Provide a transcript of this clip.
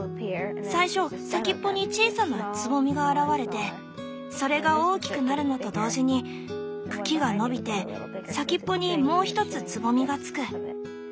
最初先っぽに小さな蕾が現れてそれが大きくなるのと同時に茎が伸びて先っぽにもう一つ蕾がつく。